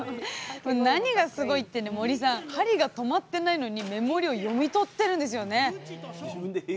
何がすごいってね森さん針が止まってないのに目盛りを読み取ってるんですよね！